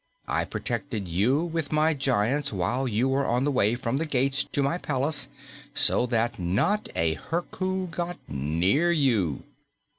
I protected you with my giants while you were on the way from the gates to my palace so that not a Herku got near you."